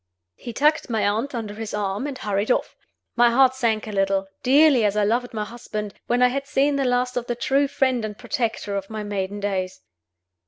He tucked my aunt under his arm, and hurried out. My heart sank a little, dearly as I loved my husband, when I had seen the last of the true friend and protector of my maiden days.